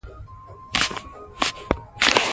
اخلاق د ټولنې د نظم، د شخړو د حل او د باور فضا ساتي.